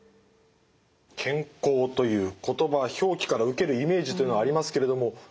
健康という言葉表記から受けるイメージというのはありますけれども竹原さん